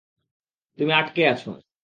তুমি আঁটকে আছো।